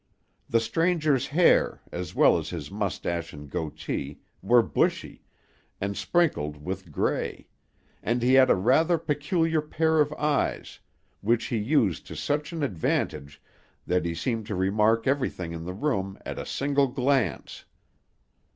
The stranger's hair, as well as his moustache and goatee, were bushy, and sprinkled with gray; and he had a rather peculiar pair of eyes, which he used to such an advantage that he seemed to remark everything in the room at a single glance.